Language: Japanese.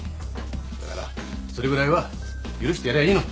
だからそれぐらいは許してやりゃいいの。